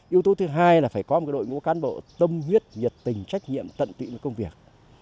yếu tố thứ hai là phải có một đội ngũ cán bộ tâm huyết nhiệt tình trách nhiệm tận tụy với công việc